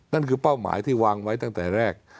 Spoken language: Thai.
นั่นคือเป้าหมายที่วางไว้ตั้งแต่แรก